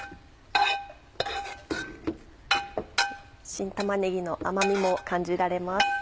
新玉ねぎの甘みも感じられます。